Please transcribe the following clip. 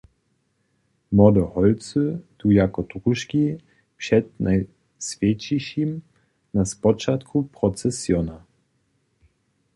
Młode holcy du jako družki před Najswjećišim na spočatku procesiona.